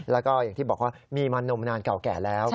แล้วก็อย่างที่บอกว่ามีมานมนานเก่าแก่แล้ว